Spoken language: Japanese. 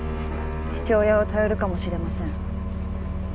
父親を頼るかもしれません。